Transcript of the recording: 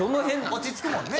落ち着くもんね